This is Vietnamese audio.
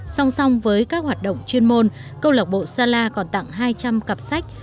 song song với các hoạt động chuyên môn câu lạc bộ sala còn tặng hai trăm linh cặp sách